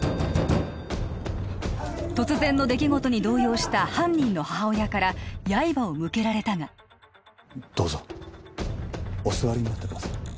突然の出来事に動揺した犯人の母親から刃を向けられたがどうぞお座りになってください